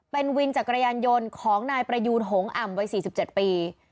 เป็นวินจักรยานยนต์ของนายประยูนหงอ่ำวัย๔๗ปี